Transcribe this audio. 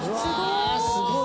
すごい！